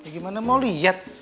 gimana mau liat